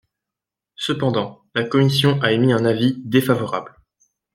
Cependant, la commission a émis un avis défavorable.